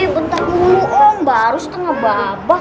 bentar dulu om baru setengah babah